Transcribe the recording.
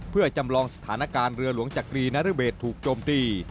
เพื่อจำลองสถานการณ์เรือหลวงจักรีนรเบศถูกโจมตี